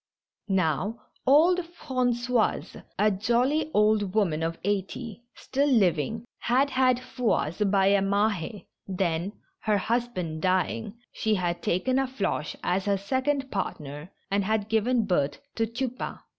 Now, old Frangoise, a jolly old woman of eighty, still living, had had Fouasse by a Mahd, then, her husband dying, she had taken a Floche as her second partner, and had given birth to Tupain.